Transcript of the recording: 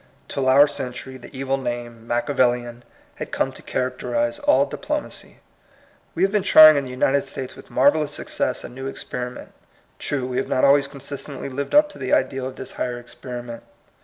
Till our century, the evil name. Machiavellian, had come to characterize all diplomacy. We have been trying in the United States with marvellous success a new experiment. True, we have not always consistently lived up to the ideal of this higher experiment.